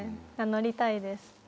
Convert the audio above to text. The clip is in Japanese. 名乗りたいです。